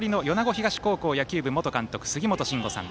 東高校野球部元監督の杉本真吾さん。